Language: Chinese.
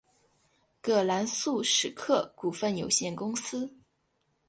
葛兰素史克股份有限公司。